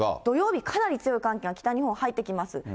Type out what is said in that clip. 土曜日、かなり強い寒気が北日本、入ってきます。